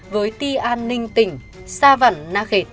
với ti an ninh tỉnh sao vẳn na khệt